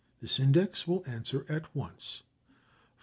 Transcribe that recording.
This index will answer at once.